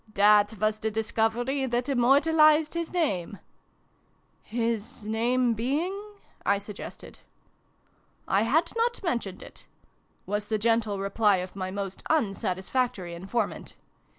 That was the discovery that immor talised his name !"" His name being ?" I suggested. " I had not mentioned it," was the gentle reply of my most unsatisfactory informant.